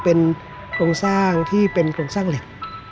เป็นโครงสร้างที่เป็นโครงสร้างเหล็ก